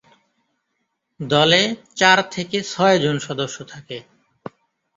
দলে চার থেকে ছয়জন সদস্য থাকে।